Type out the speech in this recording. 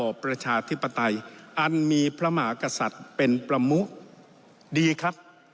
ประชาธิปไตยอันมีพระมหากษัตริย์เป็นประมุดีครับ